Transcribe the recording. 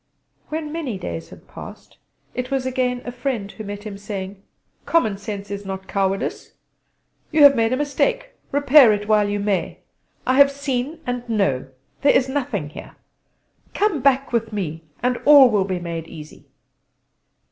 When many days had passed, it was again a friend who met him, saying: "Common sense is not cowardice. You have made a mistake: repair it while you may. I have seen and know: there is nothing here. Come back with me, and all will be made easy."